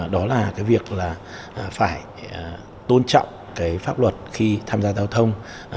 đó là cái việc là phải tôn trọng cái pháp luật khi tham gia giao thông